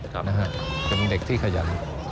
แต่มันเด็กที่ขยัน